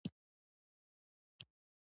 «د ماشومتوب وختونه مې: